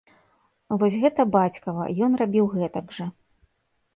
Вось гэта бацькава, ён рабіў гэтак жа.